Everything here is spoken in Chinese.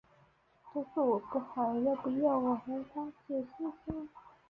都是我不好，要不要我和她解释下？